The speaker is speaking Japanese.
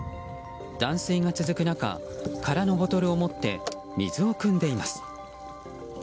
断水が続く中空のボトルを持って水をくんでいます。